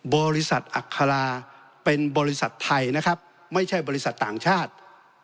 บริษัทอัคราเป็นบริษัทไทยนะครับไม่ใช่บริษัทต่างชาติ